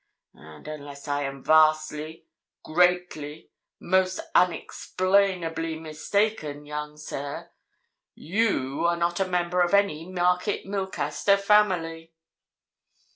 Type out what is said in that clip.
And unless I am vastly, greatly, most unexplainably mistaken, young sir, you are not a member of any Market Milcaster family."